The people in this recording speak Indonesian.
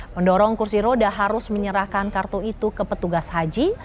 mendorong kursi roda harus menyerahkan kartu itu ke petugas haji